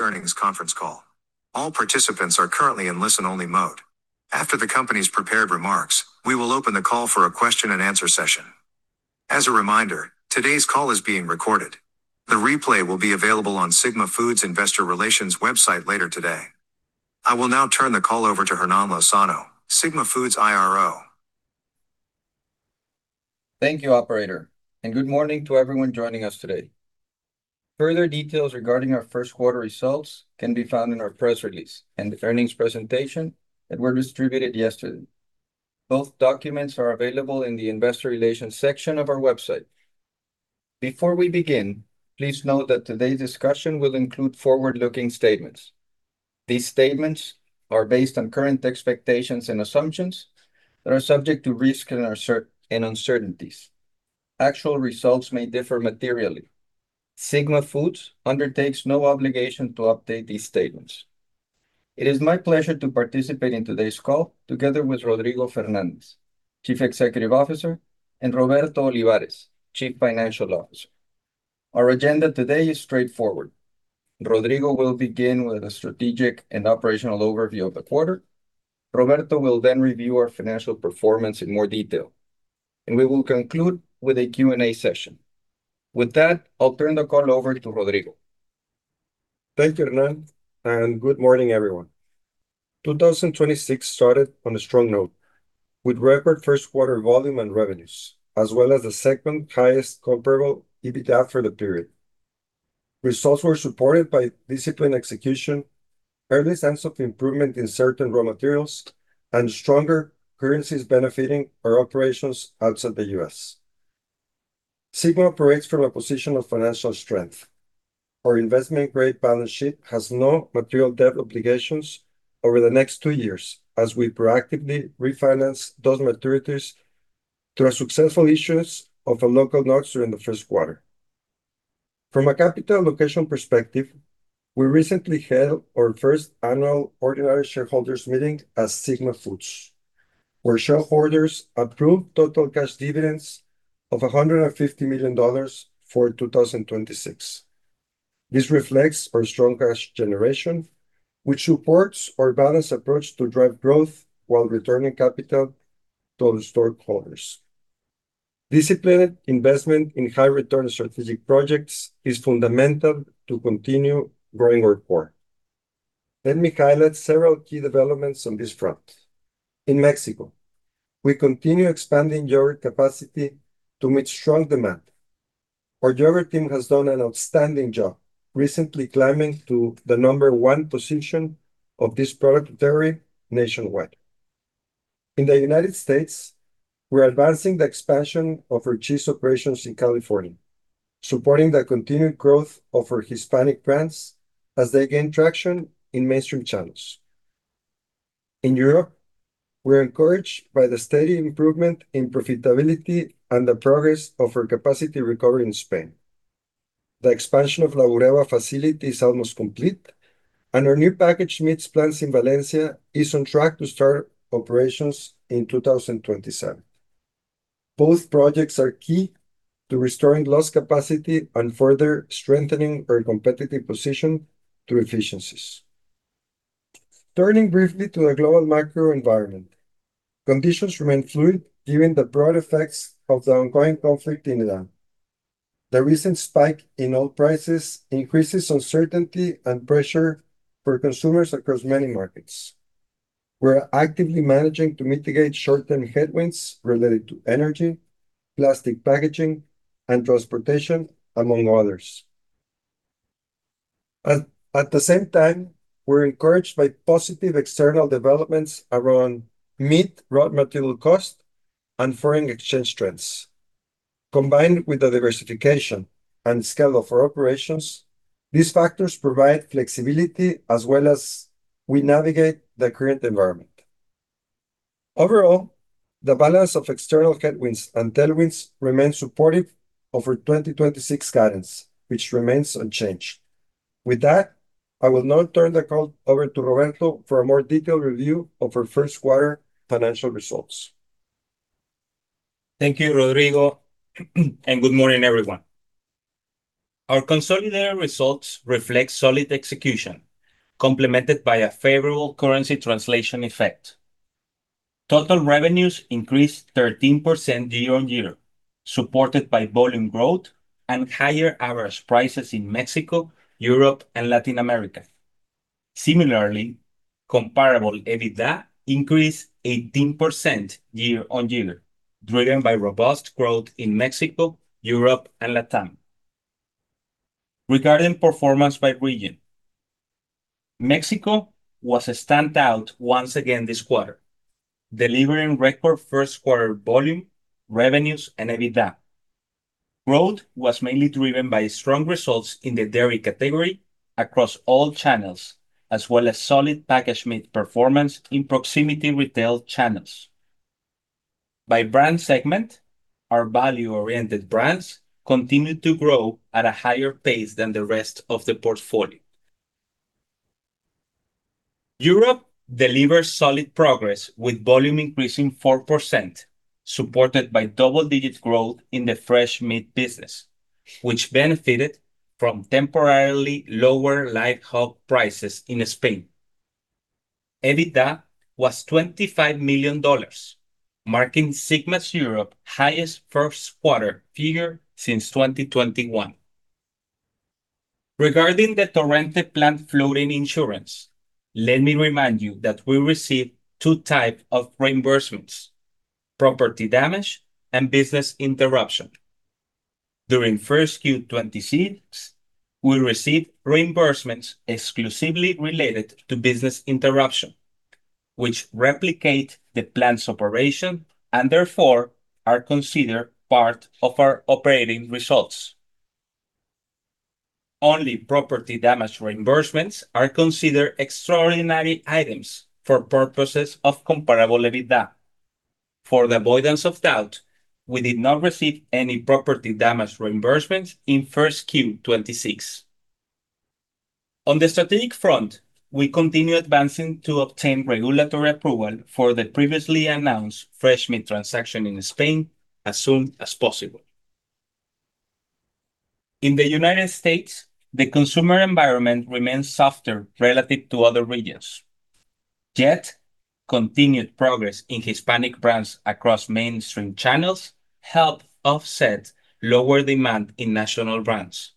Earnings conference call. All participants are currently in listen-only mode. After the company's prepared remarks, we will open the call for a question-and-answer session. As a reminder, today's call is being recorded. The replay will be available on Sigma Foods' investor relations website later today. I will now turn the call over to Hernán Lozano, Sigma Foods' IRO. Thank you, operator, and good morning to everyone joining us today. Further details regarding our first quarter results can be found in our press release and the earnings presentation that were distributed yesterday. Both documents are available in the investor relations section of our website. Before we begin, please note that today's discussion will include forward-looking statements. These statements are based on current expectations and assumptions that are subject to risk and uncertainties. Actual results may differ materially. Sigma Foods undertakes no obligation to update these statements. It is my pleasure to participate in today's call together with Rodrigo Fernández, Chief Executive Officer, and Roberto Olivares, Chief Financial Officer. Our agenda today is straightforward. Rodrigo will begin with a strategic and operational overview of the quarter. Roberto will then review our financial performance in more detail, and we will conclude with a Q&A session. With that, I'll turn the call over to Rodrigo. Thank you, Hernán, and good morning, everyone. 2026 started on a strong note with record first quarter volume and revenues, as well as the second highest comparable EBITDA for the period. Results were supported by disciplined execution, early sense of improvement in certain raw materials, and stronger currencies benefiting our operations outside the U.S. Sigma operates from a position of financial strength. Our investment-grade balance sheet has no material debt obligations over the next two years, as we proactively refinance those maturities through our successful issues of a local notes during the first quarter. From a capital allocation perspective, we recently held our first annual ordinary shareholders meeting as Sigma Foods, where shareholders approved total cash dividends of $150 million for 2026. This reflects our strong cash generation, which supports our balanced approach to drive growth while returning capital to the stockholders. Disciplined investment in high-return strategic projects is fundamental to continue growing our core. Let me highlight several key developments on this front. In Mexico, we continue expanding yogurt capacity to meet strong demand. Our yogurt team has done an outstanding job, recently climbing to the number one position of this dairy product nationwide. In the United States, we're advancing the expansion of our cheese operations in California, supporting the continued growth of our Hispanic brands as they gain traction in mainstream channels. In Europe, we're encouraged by the steady improvement in profitability and the progress of our capacity recovery in Spain. The expansion of La Bureba facility is almost complete, and our new packaged meats plant in Valencia is on track to start operations in 2027. Both projects are key to restoring lost capacity and further strengthening our competitive position through efficiencies. Turning briefly to the global macro environment, conditions remain fluid given the broad effects of the ongoing conflict in Iran. The recent spike in oil prices increases uncertainty and pressure for consumers across many markets. We're actively managing to mitigate short-term headwinds related to energy, plastic packaging, and transportation, among others. At the same time, we're encouraged by positive external developments around meat, raw material cost, and foreign exchange trends. Combined with the diversification and scale of our operations, these factors provide flexibility as we navigate the current environment. Overall, the balance of external headwinds and tailwinds remains supportive of our 2026 guidance, which remains unchanged. With that, I will now turn the call over to Roberto for a more detailed review of our first quarter financial results. Thank you, Rodrigo, and good morning, everyone. Our consolidated results reflect solid execution complemented by a favorable currency translation effect. Total revenues increased 13% year-over-year, supported by volume growth and higher average prices in Mexico, Europe, and Latin America. Similarly, comparable EBITDA increased 18% year-over-year, driven by robust growth in Mexico, Europe, and Latin America. Regarding performance by region, Mexico was a standout once again this quarter, delivering record first quarter volume, revenues, and EBITDA. Growth was mainly driven by strong results in the dairy category across all channels, as well as solid packaged meat performance in proximity retail channels. By brand segment, our value-oriented brands continued to grow at a higher pace than the rest of the portfolio. Europe delivers solid progress with volume increasing 4%, supported by double-digit growth in the fresh meat business, which benefited from temporarily lower live hog prices in Spain. EBITDA was $25 million, marking Sigma Europe's highest first quarter figure since 2021. Regarding the Torrente plant flood insurance, let me remind you that we received two types of reimbursements, property damage and business interruption. During first Q 2026, we received reimbursements exclusively related to business interruption, which replicate the plant's operation and therefore are considered part of our operating results. Only property damage reimbursements are considered extraordinary items for purposes of comparable EBITDA. For the avoidance of doubt, we did not receive any property damage reimbursements in first Q 2026. On the strategic front, we continue advancing to obtain regulatory approval for the previously announced fresh meat transaction in Spain as soon as possible. In the United States, the consumer environment remains softer relative to other regions, yet continued progress in Hispanic brands across mainstream channels helped offset lower demand in national brands.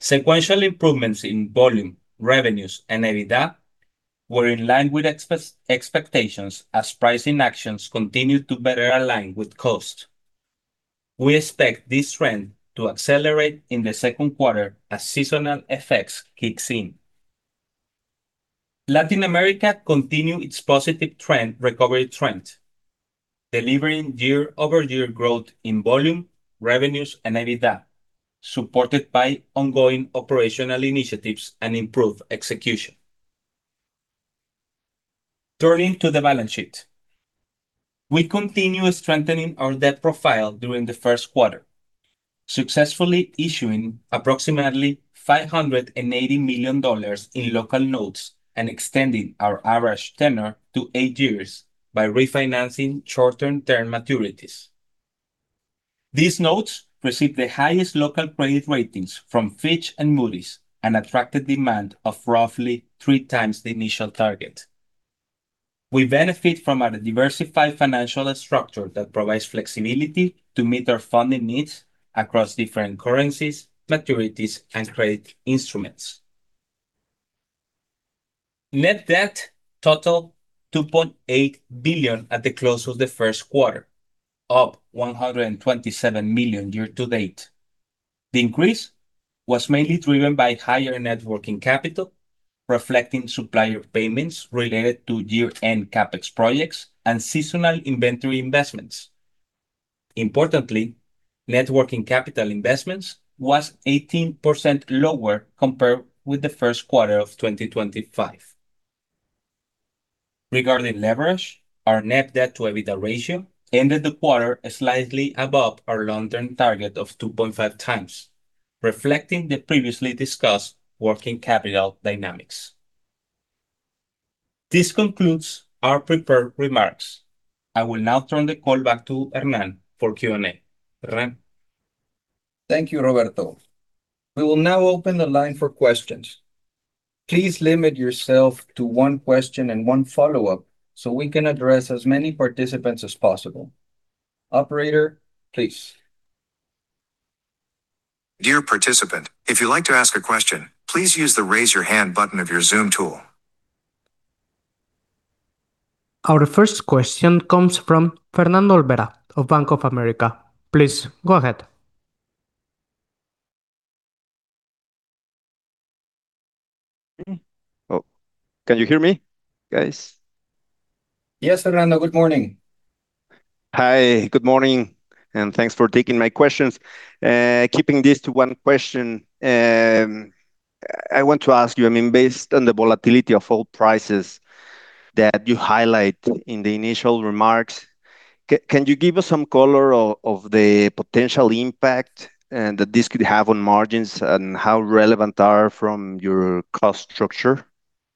Sequential improvements in volume, revenues, and EBITDA were in line with expectations as pricing actions continue to better align with cost. We expect this trend to accelerate in the second quarter as seasonal effects kicks in. Latin America continue its positive trend, recovery trend, delivering year-over-year growth in volume, revenues, and EBITDA, supported by ongoing operational initiatives and improved execution. Turning to the balance sheet, we continue strengthening our debt profile during the first quarter, successfully issuing approximately MXN 580 million in local notes and extending our average tenor to eight years by refinancing short-term term maturities. These notes received the highest local credit ratings from Fitch and Moody's and attracted demand of roughly three times the initial target. We benefit from a diversified financial structure that provides flexibility to meet our funding needs across different currencies, maturities, and credit instruments. Net debt totaled 2.8 billion at the close of the first quarter, up 127 million year to date. The increase was mainly driven by higher net working capital, reflecting supplier payments related to year-end CapEx projects and seasonal inventory investments. Importantly, net working capital investments was 18% lower compared with the first quarter of 2025. Regarding leverage, our net debt to EBITDA ratio ended the quarter slightly above our long-term target of 2.5 times, reflecting the previously discussed working capital dynamics. This concludes our prepared remarks. I will now turn the call back to Hernán for Q&A. Hernán? Thank you, Roberto. We will now open the line for questions. Please limit yourself to one question and one follow-up so we can address as many participants as possible. Operator, please. Dear participant, if you'd like to ask a question, please use the raise your hand button of your Zoom tool. Our first question comes from Fernando Olvera of Bank of America. Please go ahead. Oh, can you hear me, guys? Yes, Fernando, good morning. Hi, good morning, and thanks for taking my questions. Keeping this to one question, I want to ask you, based on the volatility of oil prices that you highlight in the initial remarks, can you give us some color on the potential impact that this could have on margins and how relevant are from your cost structure,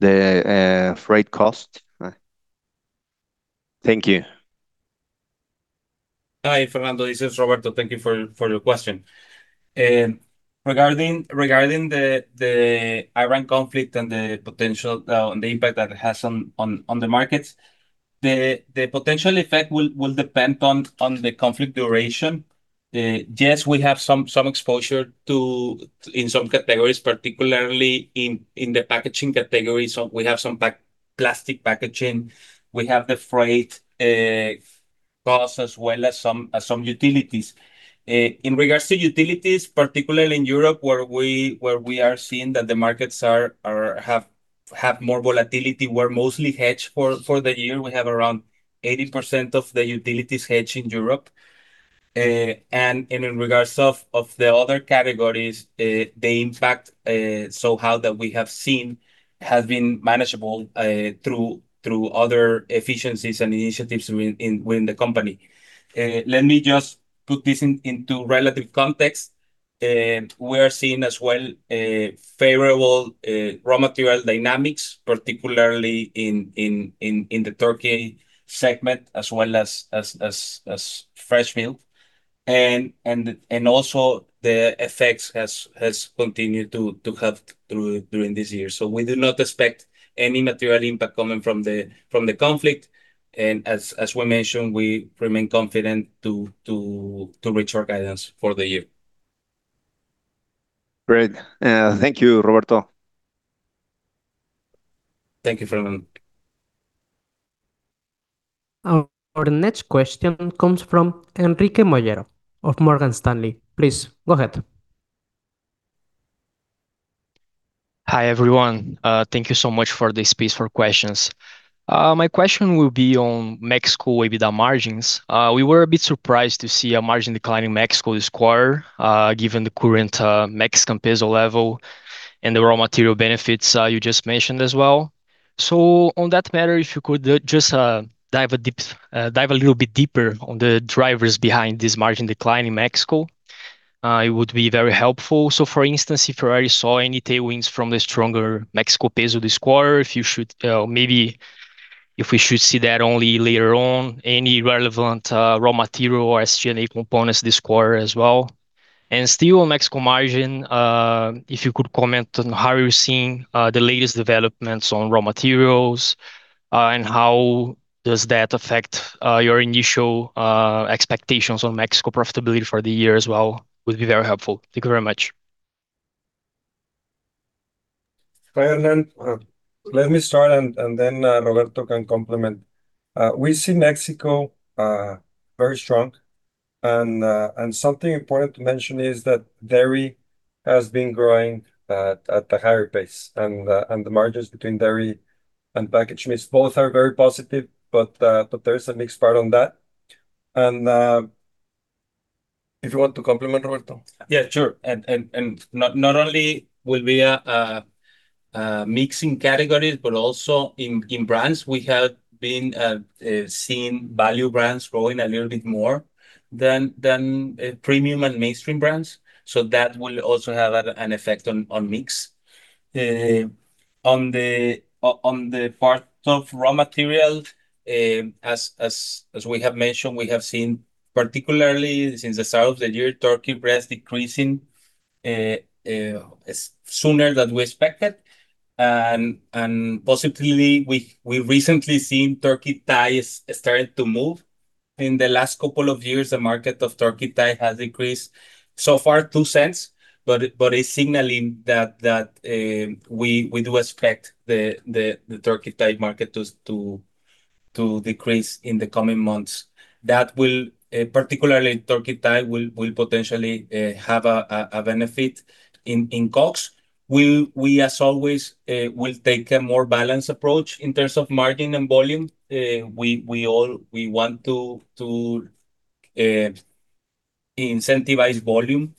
the freight cost? Thank you. Hi, Fernando Olvera. This is Roberto Olivares. Thank you for your question. Regarding the Iran conflict and the potential and the impact that it has on the markets, the potential effect will depend on the conflict duration. Yes, we have some exposure in some categories, particularly in the packaging category, so we have some plastic packaging. We have the freight costs, as well as some utilities. In regard to utilities, particularly in Europe where we are seeing that the markets have more volatility, we're mostly hedged for the year. We have around 80% of the utilities hedged in Europe. In regard to the other categories, the impact so far that we have seen has been manageable through other efficiencies and initiatives within the company. Let me just put this into relative context. We are seeing as well a favorable raw material dynamics, particularly in the turkey segment, as well as fresh milk. Also the effects has continued to have through during this year. We do not expect any material impact coming from the conflict. As we mentioned, we remain confident to reach our guidance for the year. Great. Thank you, Roberto. Thank you, Fernando. Our next question comes from Henrique Mogadouro of Morgan Stanley. Please, go ahead. Hi, everyone. Thank you so much for the space for questions. My question will be on Mexico EBITDA margins. We were a bit surprised to see a margin decline in Mexico this quarter, given the current Mexican peso level and the raw material benefits you just mentioned as well. On that matter, if you could just dive a little bit deeper on the drivers behind this margin decline in Mexico, it would be very helpful. For instance, if Sigma saw any tailwinds from the stronger Mexican peso this quarter, maybe if we should see that only later on, any relevant raw material or SG&A components this quarter as well. Still on Mexico margin, if you could comment on how you're seeing the latest developments on raw materials, and how does that affect your initial expectations on Mexico profitability for the year as well, would be very helpful. Thank you very much. Henrique, let me start and then Roberto can complement. We see Mexico very strong and something important to mention is that dairy has been growing at a higher pace. The margins between dairy and packaged meats, both are very positive, but there is a mixed part on that. If you want to complement, Roberto. Yeah, sure. Not only will be a mix in categories, but also in brands, we have been seeing value brands growing a little bit more than premium and mainstream brands. That will also have an effect on mix. On the part of raw material, as we have mentioned, we have seen, particularly since the start of the year, turkey breast decreasing sooner than we expected. Possibly, we recently seen turkey thighs starting to move. In the last couple of years, the market of turkey thigh has increased so far $0.02, but it's signaling that we do expect the turkey thigh market to decrease in the coming months. That will, particularly turkey thigh, will potentially have a benefit in COGS. We, as always, will take a more balanced approach in terms of margin and volume. We want to incentivize volume.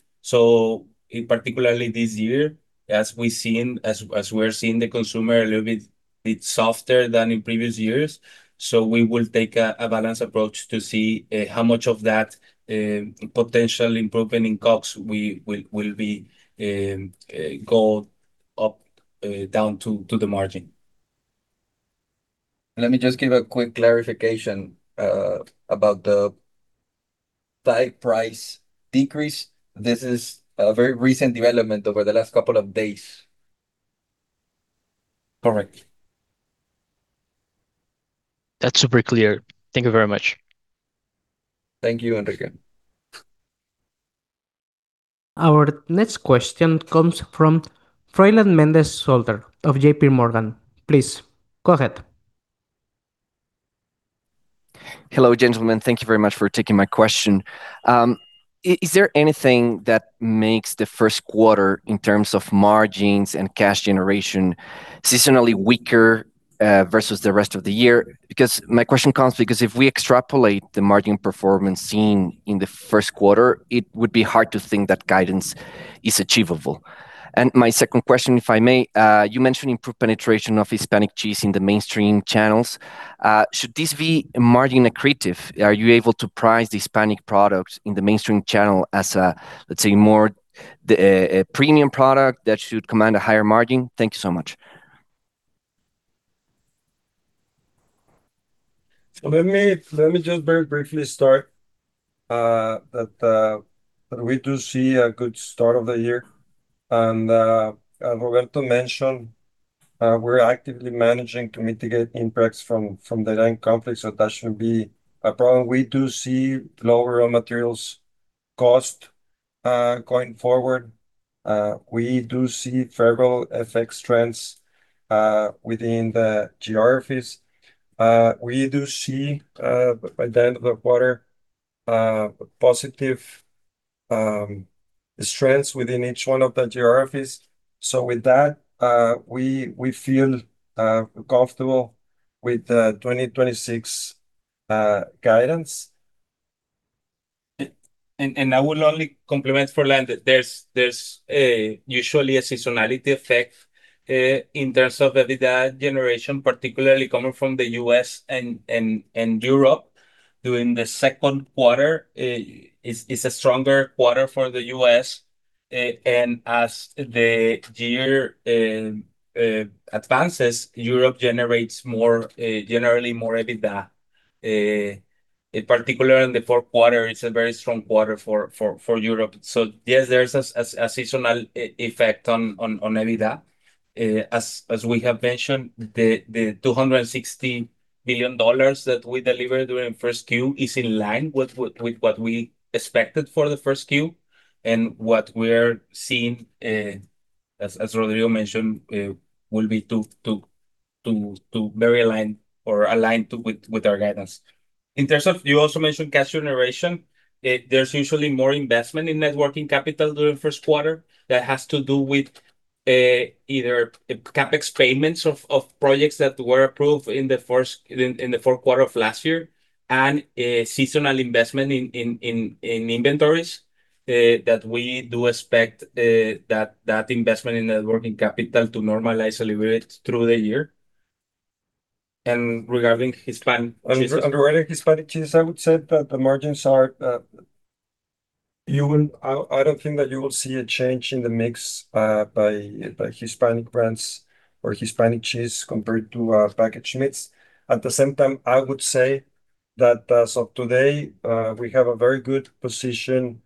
Particularly this year, as we're seeing the consumer a little bit softer than in previous years. We will take a balanced approach to see how much of that potential improvement in COGS will go up or down to the margin. Let me just give a quick clarification about the thigh price decrease. This is a very recent development over the last couple of days. Correct. That's super clear. Thank you very much. Thank you, Henrique. Our next question comes from Froylan Mendez of J.P. Morgan. Please, go ahead. Hello, gentlemen. Thank you very much for taking my question. Is there anything that makes the first quarter in terms of margins and cash generation seasonally weaker versus the rest of the year? Because my question comes because if we extrapolate the margin performance seen in the first quarter, it would be hard to think that guidance is achievable. My second question, if I may, you mentioned improved penetration of Hispanic cheese in the mainstream channels. Should this be margin accretive? Are you able to price the Hispanic products in the mainstream channel as a, let's say, more premium product that should command a higher margin? Thank you so much. Let me just very briefly start, that we do see a good start of the year. Roberto mentioned, we're actively managing to mitigate impacts from the ongoing conflict, so that shouldn't be a problem. We do see lower raw materials cost, going forward. We do see favorable FX trends within the geographies. We do see, by the end of the quarter, positive strengths within each one of the geographies. With that, we feel comfortable with the 2026 guidance. I will only complement Froylan, that there's usually a seasonality effect in terms of EBITDA generation, particularly coming from the U.S. and Europe during the second quarter is a stronger quarter for the U.S. As the year advances, Europe generates generally more EBITDA. In particular, in the fourth quarter, it's a very strong quarter for Europe. Yes, there's a seasonal effect on EBITDA. As we have mentioned, the MXN 260 billion that we delivered during first Q is in line with what we expected for the first Q, and what we're seeing, as Rodrigo mentioned, will be very aligned or aligned with our guidance. In terms of, you also mentioned cash generation, there's usually more investment in net working capital during first quarter. That has to do with either CapEx payments of projects that were approved in the fourth quarter of last year and seasonal investment in inventories that we do expect that investment in net working capital to normalize a little bit through the year. Regarding Hispanic- Regarding Hispanic cheese, I would say that the margins are. I don't think that you will see a change in the mix by Hispanic brands or Hispanic cheese compared to packaged meats. At the same time, I would say that as of today, we have a very good position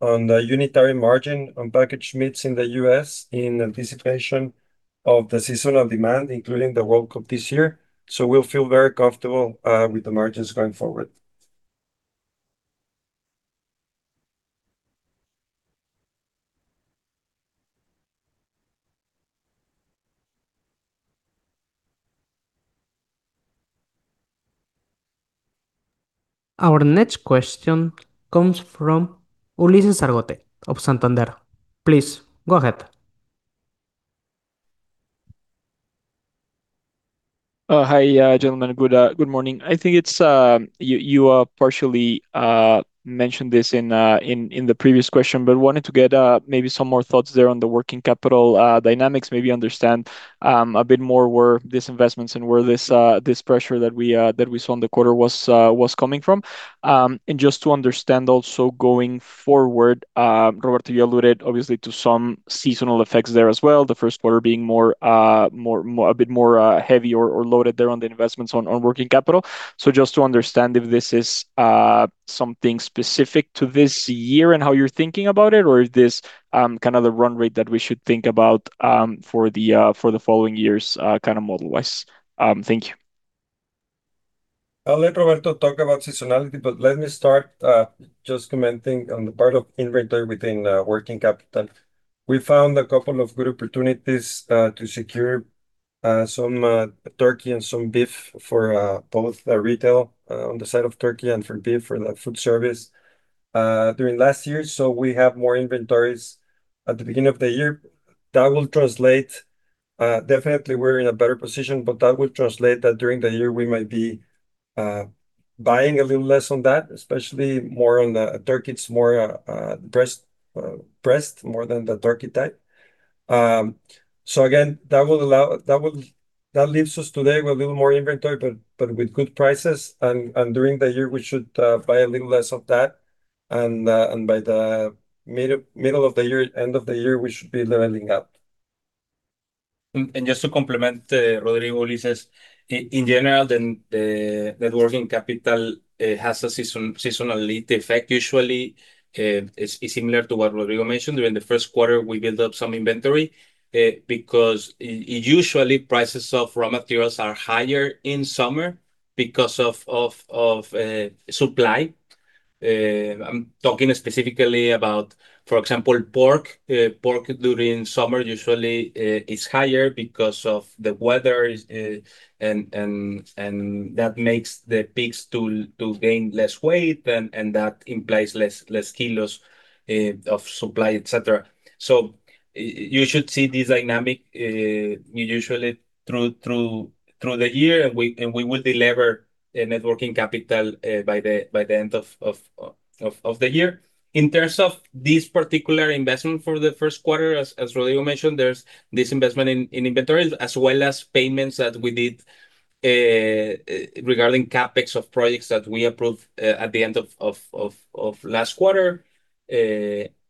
on the unitary margin on packaged meats in the U.S. in anticipation of the seasonal demand, including the World Cup this year. We'll feel very comfortable with the margins going forward. Our next question comes from Ulises Argote of Santander. Please, go ahead. Hi, gentlemen. Good morning. I think you partially mentioned this in the previous question but wanted to get maybe some more thoughts there on the working capital dynamics, maybe understand a bit more where these investments and where this pressure that we saw in the quarter was coming from. Just to understand also going forward, Roberto, you alluded obviously to some seasonal effects there as well, the first quarter being a bit more heavy or loaded there on the investments on working capital. Just to understand if this is something specific to this year and how you're thinking about it, or is this kind of the run rate that we should think about for the following years model-wise? Thank you. I'll let Roberto talk about seasonality but let me start just commenting on the part of inventory within working capital. We found a couple of good opportunities to secure some turkey and some beef for both the retail on the side of turkey and for beef for the food service during last year. We have more inventories at the beginning of the year. Definitely we're in a better position, but that will translate that during the year, we might be buying a little less on that, especially more on the turkey. It's more breast than the turkey thigh. Again, that leaves us today with a little more inventory, but with good prices, and during the year, we should buy a little less of that. By the middle of the year, end of the year, we should be leveling up. Just to complement Rodrigo, Ulises, in general, the net working capital has a seasonality effect usually. It's similar to what Rodrigo mentioned, during the first quarter, we build up some inventory, because usually prices of raw materials are higher in summer because of supply. I'm talking specifically about, for example, pork. Pork during summer usually is higher because of the weather, and that makes the pigs to gain less weight, and that implies less kilos of supply, et cetera. You should see this dynamic usually through the year, and we will delever net working capital by the end of the year. In terms of this particular investment for the first quarter, as Rodrigo mentioned, there's this investment in inventories, as well as payments that we did regarding CapEx of projects that we approved at the end of last quarter. You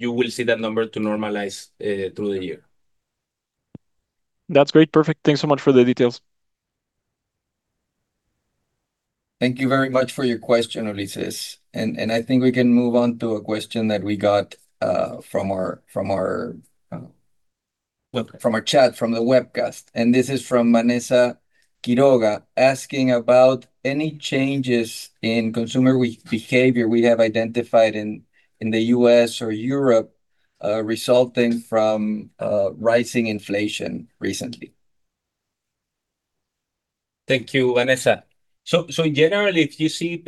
will see that number to normalize through the year. That's great. Perfect. Thanks so much for the details. Thank you very much for your question, Ulises. I think we can move on to a question that we got from our- Webcast from our chat, from the webcast. This is from Vanessa Quiroga, asking about any changes in consumer behavior we have identified in the U.S. or Europe resulting from rising inflation recently. Thank you, Vanessa. In general, if you see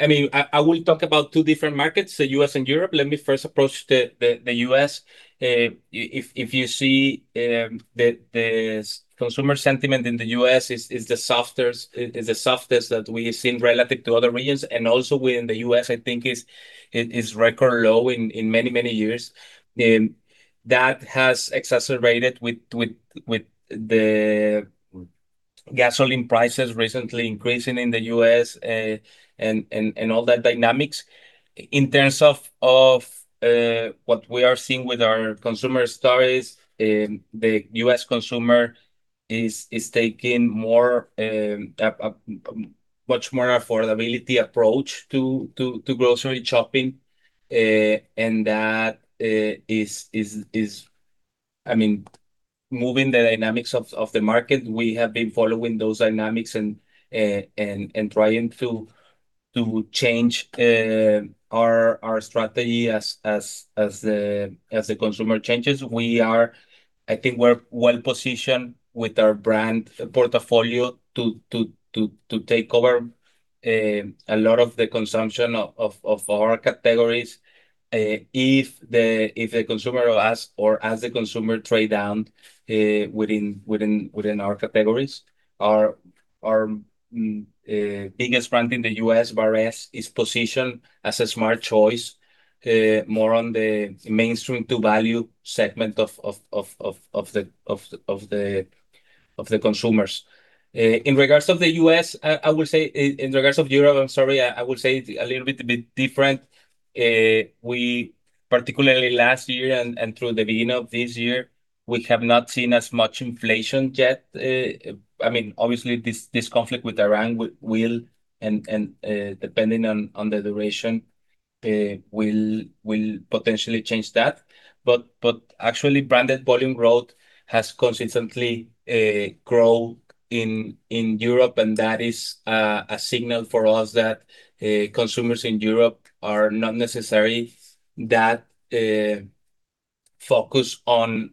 I will talk about two different markets, the U.S. and Europe. Let me first approach the U.S. If you see the consumer sentiment in the U.S. is the softest that we've seen relative to other regions, and also in the U.S., I think is record low in many, many years. That has exacerbated with the gasoline prices recently increasing in the U.S. and all that dynamics. In terms of what we are seeing with our consumer stories, the U.S. consumer is taking a much more affordability approach to grocery shopping, and that is moving the dynamics of the market. We have been following those dynamics and trying to change our strategy as the consumer changes. I think we're well-positioned with our brand portfolio to take over a lot of the consumption of our categories, if the consumer asks or as the consumer trade down within our categories. Our biggest brand in the U.S., Bar-S, is positioned as a smart choice, more on the mainstream to value segment of the consumers. In regards of Europe, I'm sorry, I will say it a little bit different. Particularly last year and through the beginning of this year, we have not seen as much inflation yet. Obviously, this conflict with Iran will, and depending on the duration, will potentially change that. But actually, branded volume growth has consistently grown in Europe, and that is a signal for us that consumers in Europe are not necessarily that focused on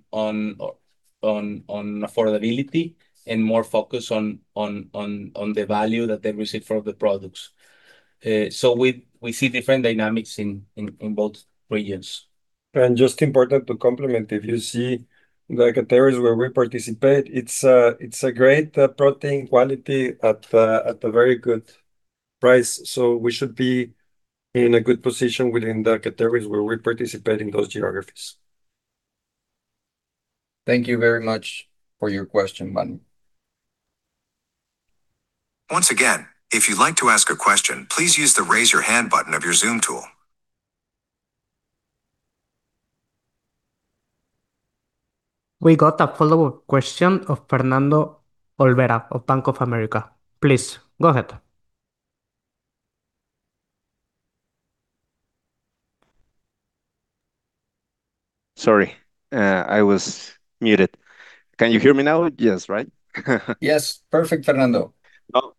affordability and more focused on the value that they receive for the products. We see different dynamics in both regions. It's just important to comment, if you see the categories where we participate, it's a great protein quality at a very good price. We should be in a good position within the categories where we participate in those geographies. Thank you very much for your question, Vanessa. Once again, if you'd like to ask a question, please use the raise your hand button of your Zoom tool. We have a follow-up question from Fernando Olvera of Bank of America. Please go ahead. Sorry, I was muted. Can you hear me now? Yes, right? Yes. Perfect, Fernando. Oh,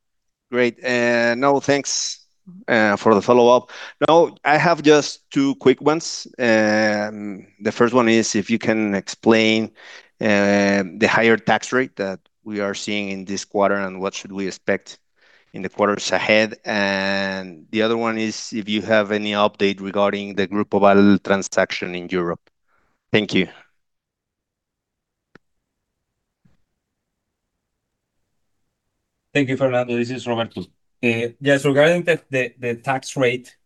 great. No, thanks for the follow-up. Now, I have just two quick ones. The first one is if you can explain the higher tax rate that we are seeing in this quarter, and what should we expect in the quarters ahead. The other one is if you have any update regarding the Grupo Vall Companys transaction in Europe. Thank you. Thank you, Fernando. This is Roberto. Yes, regarding the tax rate,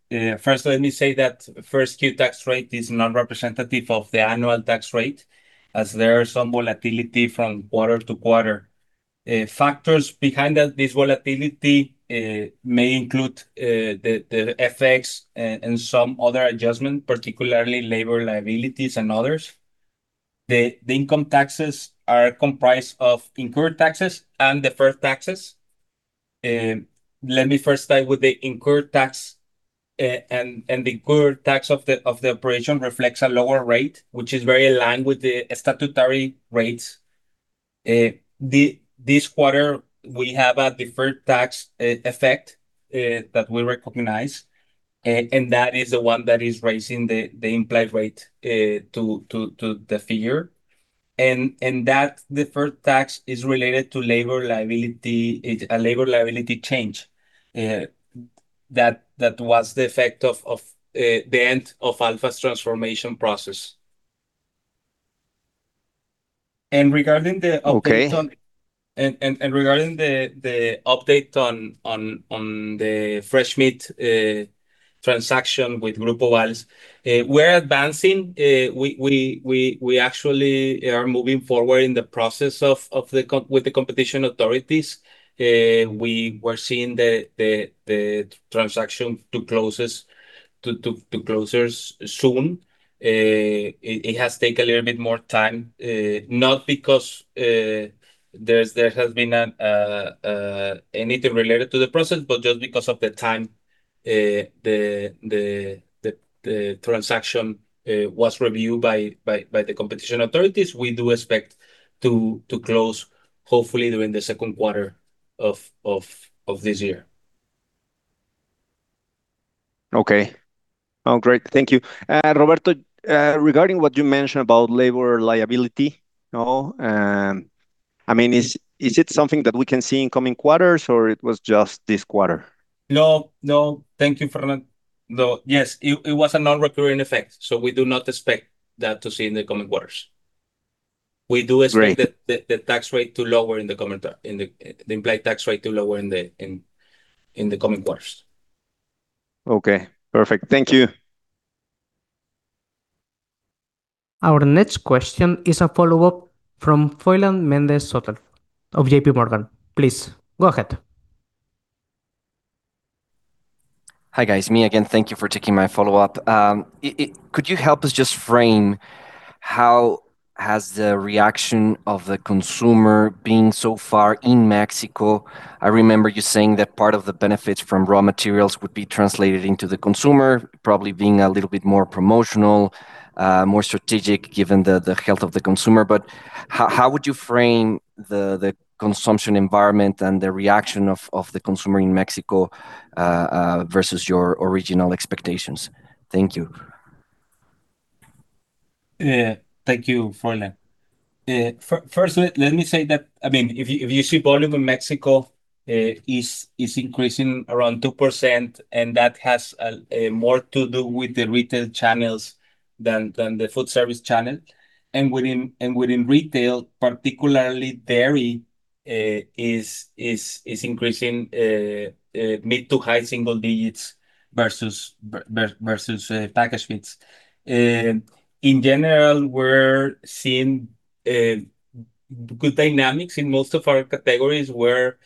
first let me say that first Q tax rate is not representative of the annual tax rate, as there is some volatility from quarter to quarter. Factors behind this volatility may include the FX and some other adjustment, particularly labor liabilities and others. The income taxes are comprised of incurred taxes and deferred taxes. Let me first start with the incurred tax. The incurred tax of the operation reflects a lower rate, which is very aligned with the statutory rates. This quarter, we have a deferred tax effect that we recognize, and that is the one that is raising the implied rate to the figure. That deferred tax is related to labor liability, a labor liability change. That was the effect of the end of Alfa's transformation process. Regarding the update on- Okay Regarding the update on the fresh meat transaction with Grupo Vall Companys, we're advancing. We actually are moving forward in the process with the competition authorities. We are seeing the transaction to close soon. It has taken a little bit more time, not because there has been anything related to the process, but just because of the time the transaction was reviewed by the competition authorities. We do expect to close, hopefully, during the second quarter of this year. Okay. Oh, great. Thank you. Roberto, regarding what you mentioned about labor liability, is it something that we can see in coming quarters, or it was just this quarter? No, no. Thank you, Fernando. Yes, it was a non-recurring effect, so we do not expect to see that in the coming quarters. Great. We do expect the tax rate to lower, the implied tax rate to lower in the coming quarters. Okay, perfect. Thank you. Our next question is a follow-up from Froylan Mendez of J.P. Morgan. Please, go ahead. Hi, guys. Me again. Thank you for taking my follow-up. Could you help us just frame how has the reaction of the consumer been so far in Mexico? I remember you saying that part of the benefits from raw materials would be translated into the consumer, probably being a little bit more promotional, more strategic, given the health of the consumer. How would you frame the consumption environment and the reaction of the consumer in Mexico versus your original expectations? Thank you. Thank you, Froylan. Firstly, let me say that, if you see volume in Mexico, it's increasing around 2%, and that has more to do with the retail channels than the food service channel. Within retail, particularly dairy is increasing mid to high single digits versus packaged meats. In general, we're seeing good dynamics in most of our categories. We're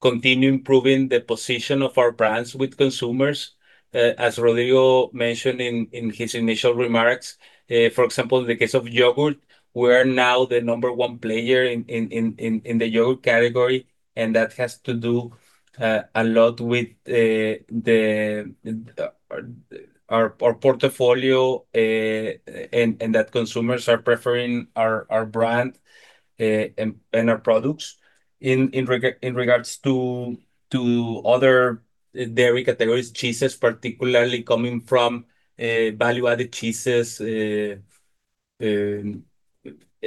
continuing improving the position of our brands with consumers, as Rodrigo mentioned in his initial remarks. For example, in the case of yogurt, we are now the number one player in the yogurt category, and that has to do a lot with our portfolio, and that consumers are preferring our brand and our products. In regards to other dairy categories, cheeses particularly, coming from value-added cheeses,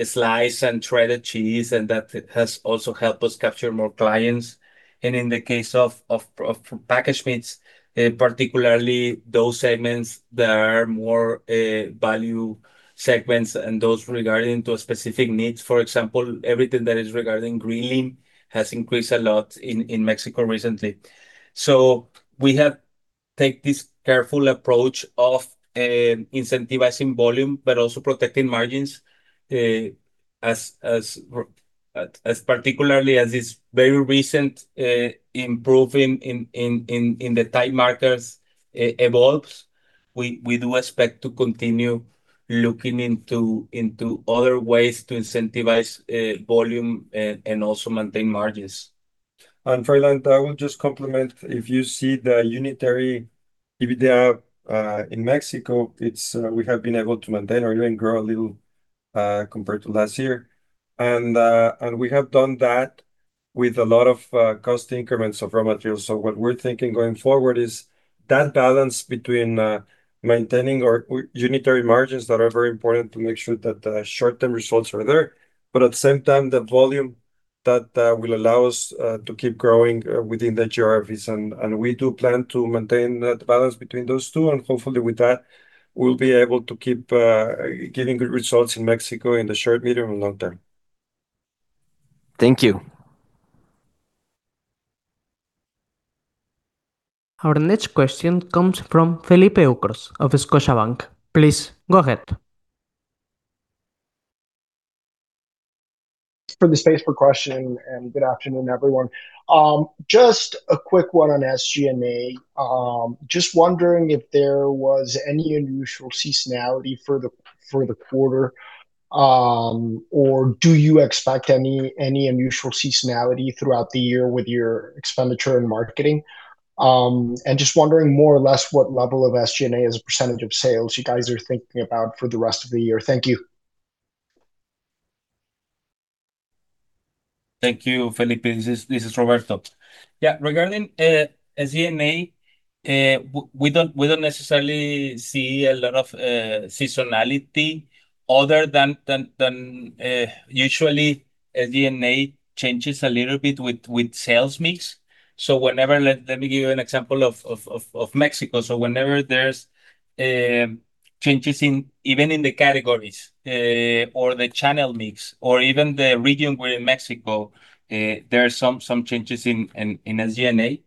sliced and shredded cheese, and that has also helped us capture more clients. In the case of packaged meats, particularly those segments that are more value segments and those regarding to specific needs, for example, everything that is regarding green lean has increased a lot in Mexico recently. We have taken this careful approach of incentivizing volume, but also protecting margins, especially as this very recent improving in the tight markets evolves. We do expect to continue looking into other ways to incentivize volume and also maintain margins. Froylan, I will just complement, if you see the unitary EBITDA in Mexico, we have been able to maintain or even grow a little compared to last year. We have done that with a lot of cost increments of raw materials. What we're thinking going forward is that balance between maintaining our unitary margins that are very important to make sure that the short-term results are there, but at the same time, the volume that will allow us to keep growing within the geographies. We do plan to maintain that balance between those two, and hopefully with that, we'll be able to keep getting good results in Mexico in the short, medium, and long term. Thank you. Our next question comes from Felipe Ucros of Scotiabank. Please go ahead. Thanks for the space for a question, good afternoon, everyone. Just a quick one on SG&A. Just wondering if there was any unusual seasonality for the quarter, or do you expect any unusual seasonality throughout the year with your expenditure and marketing? Just wondering more or less what level of SG&A as a percentage of sales you guys are thinking about for the rest of the year. Thank you. Thank you, Felipe. This is Roberto. Yeah, regarding SG&A, we don't necessarily see a lot of seasonality other than usually SG&A changes a little bit with sales mix. Let me give you an example of Mexico. Whenever there's changes even in the categories or the channel mix or even the region we're in Mexico, there are some changes in SG&A,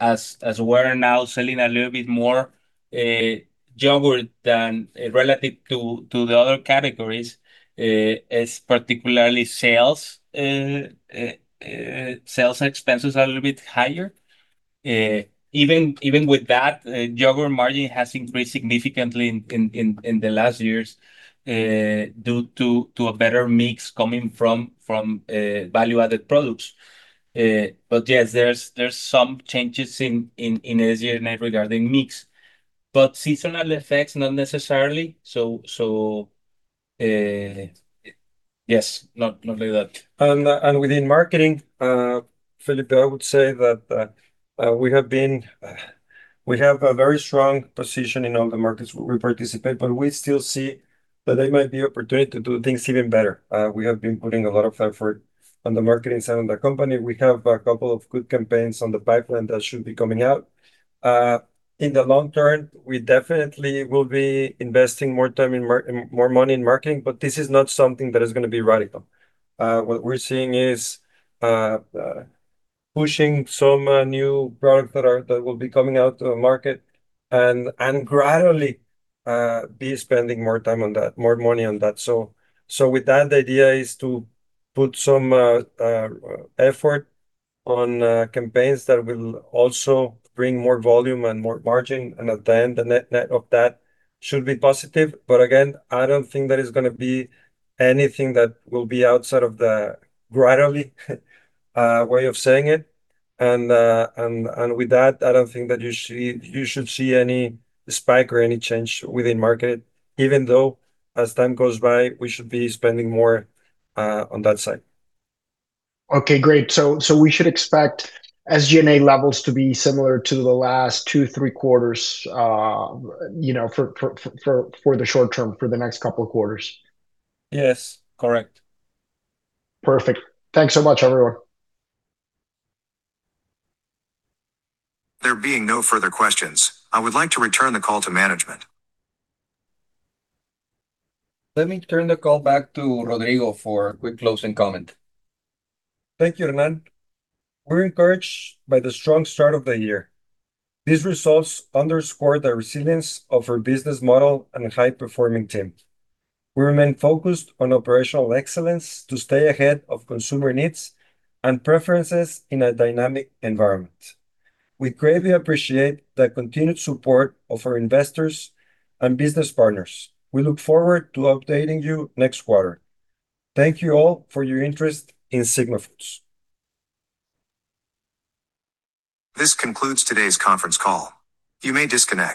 as we're now selling a little bit more yogurt than relative to the other categories, as particularly sales expenses are a little bit higher. Even with that, yogurt margin has increased significantly in the last years due to a better mix coming from value-added products. Yes, there's some changes in SG&A regarding mix, but seasonal effects, not necessarily. Yes, not like that. Within marketing, Felipe, I would say that we have a very strong position in all the markets we participate, but we still see that there might be opportunity to do things even better. We have been putting a lot of effort on the marketing side of the company. We have a couple of good campaigns on the pipeline that should be coming out. In the long term, we definitely will be investing more money in marketing, but this is not something that is going to be radical. What we're seeing is pushing some new products that will be coming out to the market and gradually be spending more money on that. With that, the idea is to put some effort on campaigns that will also bring more volume and more margin, and at the end, the net of that should be positive. Again, I don't think there is going to be anything that will be outside of the gradual way of saying it, and with that, I don't think that you should see any spike or any change within the market, even though as time goes by, we should be spending more on that side. Okay, great. We should expect SG&A levels to be similar to the last two, three quarters for the short term, for the next couple of quarters. Yes. Correct. Perfect. Thanks so much, everyone. There being no further questions, I would like to return the call to management. Let me turn the call back to Rodrigo Fernández for a quick closing comment. Thank you, Hernán. We're encouraged by the strong start of the year. These results underscore the resilience of our business model and high-performing team. We remain focused on operational excellence to stay ahead of consumer needs and preferences in a dynamic environment. We greatly appreciate the continued support of our investors and business partners. We look forward to updating you next quarter. Thank you all for your interest in Sigma Foods. This concludes today's conference call. You may disconnect.